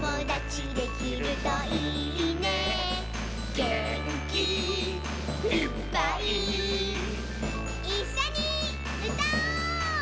「げんきいっぱい」「いっしょにうたおう！」